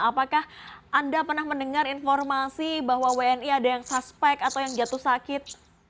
apakah anda pernah mendengar informasi bahwa wni ada yang suspek atau yang jatuh sakit